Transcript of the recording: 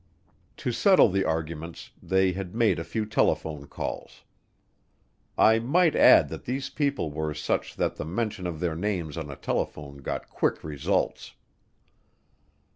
To settle the arguments, they had made a few telephone calls. I might add that these people were such that the mention of their names on a telephone got quick results.